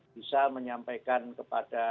bisa menyampaikan kepada